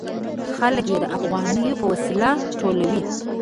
خلک یې د افغانیو په وسیله ټولوي.